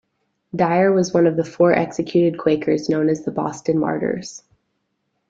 Dyer was one of the four executed Quakers known as the Boston martyrs.